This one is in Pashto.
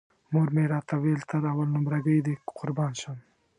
مور مې راته ویل تر اول نمره ګۍ دې قربان شم.